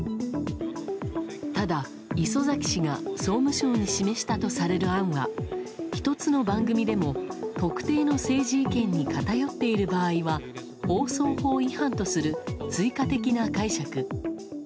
ただ、礒崎氏が総務省に示したとされる案は１つの番組でも特定の政治意見に偏っている場合は放送法違反とする追加的な解釈。